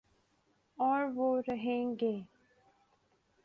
اوروہ رہیں گے